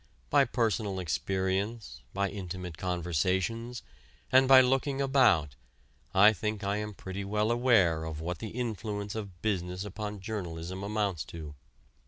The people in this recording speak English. By personal experience, by intimate conversations, and by looking about, I think I am pretty well aware of what the influence of business upon journalism amounts to.